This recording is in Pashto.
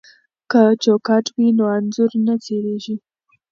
که چوکاټ وي نو انځور نه څیریږي.